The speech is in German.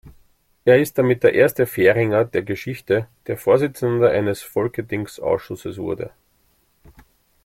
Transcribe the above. Er ist damit der erste Färinger der Geschichte, der Vorsitzender eines Folketings-Ausschusses wurde.